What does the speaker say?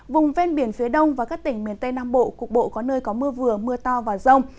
vùng ven biển phía đông và các tỉnh miền tây nam bộ cục bộ có nơi có mưa vừa mưa to và rông